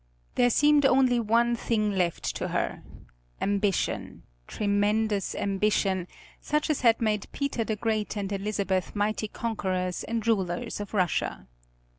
There seemed only one thing left to her, ambition, tremendous ambition, such as had made Peter the Great and Elizabeth mighty conquerors and rulers of Russia.